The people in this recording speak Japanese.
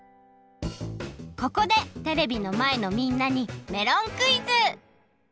ここでテレビのまえのみんなにメロンクイズ！